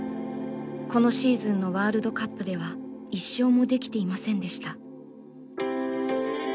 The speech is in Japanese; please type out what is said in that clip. このシーズンのワールドカップでは１勝もできていませんでした。